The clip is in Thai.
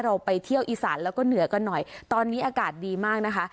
ไปเที่ยวอีสานแล้วก็เหนือกันหน่อยตอนนี้อากาศดีมากนะคะ